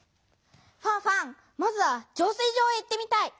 ファンファンまずは浄水場へ行ってみたい。